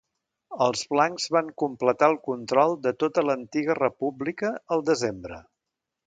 Els blancs van completar el control de tota l'antiga república el desembre.